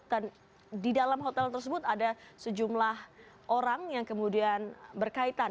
dan di dalam hotel tersebut ada sejumlah orang yang kemudian berkaitan